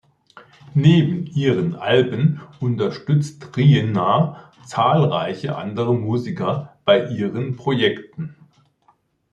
Neben ihren Alben unterstützt Trina zahlreiche andere Musiker bei ihren Projekten.